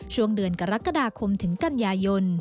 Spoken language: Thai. ช่วงเดือนกรกฎาคมถึงกันยายน